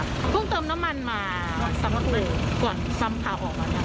เพิ่งเติมน้ำมันมาสำหรับเร็วก่อนซ้ำพาออกมา